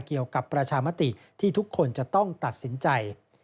เกี่ยวกับประชามติที่ทุกคนจะต้องตัดสินใจ